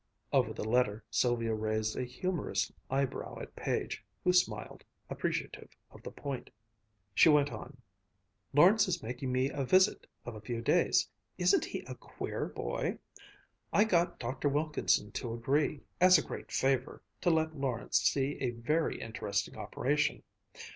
'" Over the letter Sylvia raised a humorous eyebrow at Page, who smiled, appreciative of the point. She went on: "'Lawrence is making me a visit of a few days. Isn't he a queer boy! I got Dr. Wilkinson to agree, as a great favor, to let Lawrence see a very interesting operation.